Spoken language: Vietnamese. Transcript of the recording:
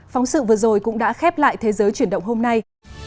phóng sự vừa rồi cũng đã khép lại thế giới chuyển động hôm nay